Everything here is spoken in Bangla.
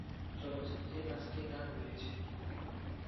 চলচ্চিত্রে পাঁচটি গান রয়েছে।